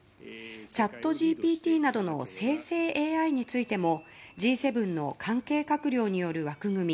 チャットＧＰＴなどの生成ＡＩについてもＧ７の関係閣僚による枠組み